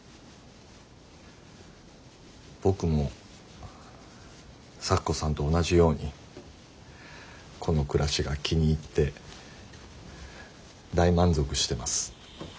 僕も咲子さんと同じようにこの暮らしが気に入って大満足してます。